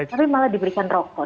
tapi malah dibelikan rokok